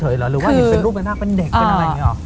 หรือว่าเห็นเป็นรูปใบหน้าเป็นเด็กเป็นอะไรอย่างนี้หรอ